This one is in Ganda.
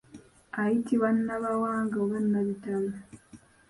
Ayitibwa Nabawanga oba Nabitalo.